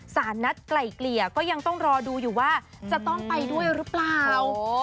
สารนัดไกล่เกลี่ยก็ยังต้องรอดูอยู่ว่าจะต้องไปด้วยหรือเปล่า